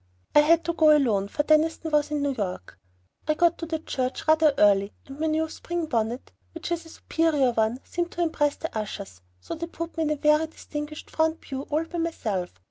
I had to go alone, for Deniston was in New York. I got to the church rather early, and my new spring bonnet which is a superior one seemed to impress the ushers, so they put me in a very distinguished front pew all by myself.